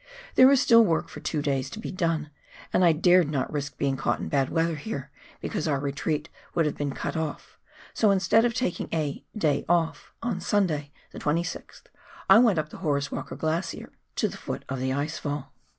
There was still work for two days to be done, and I dared not risk being caught in bad weather here, because our retreat would have been cut off, so instead of taking a " day off " on Simday, the 26th, I went up the Horace Walker Glacier to the foot of the ice fall.